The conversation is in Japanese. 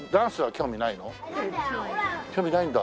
興味ないんだ。